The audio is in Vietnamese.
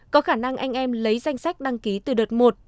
có khả năng anh em lấy danh sách đăng ký từ đợt một